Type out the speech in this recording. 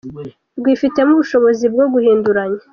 rwifitemo ubushobozi bwo guhinduranya.